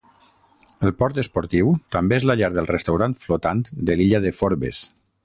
El port esportiu també és la llar del restaurant flotant de l'illa de Forbes.